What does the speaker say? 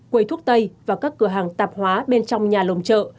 quầy thuốc tây và các cửa hàng tạp hóa bên trong nhà lồng chợ